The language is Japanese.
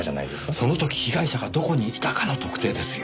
その時被害者がどこにいたかの特定ですよ。